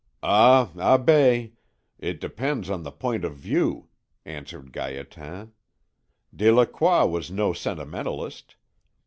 "Ah, Abbé! it depends on the point of view," answered Gaétan. "Delacroix was no sentimentalist.